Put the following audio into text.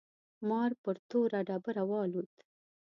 مار پر توره ډبره والوت.